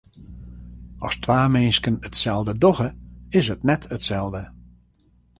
As twa minsken itselde dogge, is it net itselde.